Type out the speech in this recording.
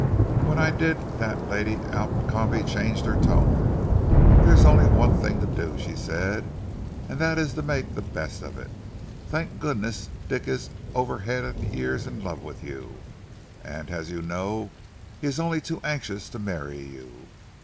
"... When I did that Lady Alcombe changed her tone. 'There's only one thing to do,' she said, 'and that is to make the best of it. Thank goodness! Dick is over head and ears in love with you, and, as you know, he is only too anxious to marry you.